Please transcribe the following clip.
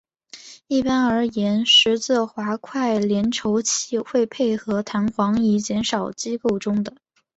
一般而言十字滑块联轴器会配合弹簧以减少机构中的。